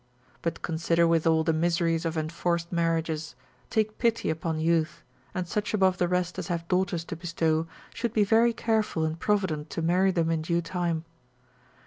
but consider withal the miseries of enforced marriages; take pity upon youth: and such above the rest as have daughters to bestow, should be very careful and provident to marry them in due time.